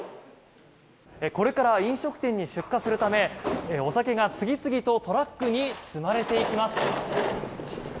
これから飲食店に出荷するためお酒が次々とトラックに積まれていきます。